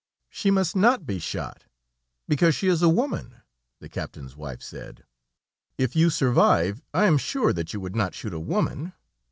"She must not be shot, because she is a woman," the captain's wife said. "If you survive, I am sure that you would not shoot a woman.